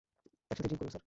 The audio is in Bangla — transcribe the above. একসাথে ড্রিংক করবো স্যার।